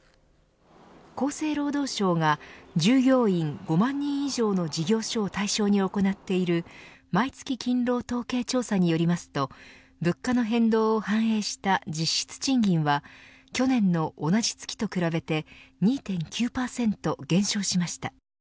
厚生労働省が従業員５万人以上の事業所を対象に行っている毎月勤労統計調査によりますと物価の変動を反映した実質賃金は去年の同じ月と比べて２．９％減少しました。